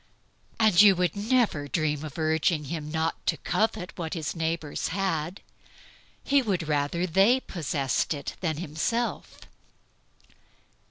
And you would never dream of urging him not to covet what his neighbors had. He would rather they possessed it than himself.